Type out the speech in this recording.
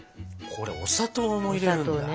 これお砂糖も入れるんだ？